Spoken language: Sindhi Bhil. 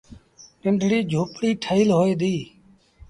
ننڍڙيٚ جھوپڙيٚ ٺهيٚل هوئي ديٚ۔